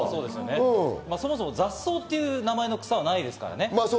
そもそも雑草という名の草はないですからね。